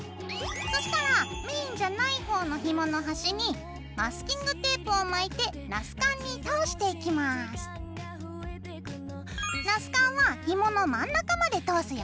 そしたらメインじゃない方のひもの端にマスキングテープを巻いてナスカンはひもの真ん中まで通すよ。